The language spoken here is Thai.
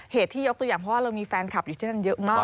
เหตุที่ยกตัวอย่างเพราะว่าเรามีแฟนคลับอยู่ที่นั่นเยอะมาก